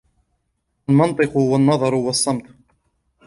الْمَنْطِقُ وَالنَّظَرُ وَالصَّمْتُ